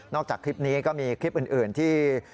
จากคลิปนี้ก็มีคลิปอื่นที่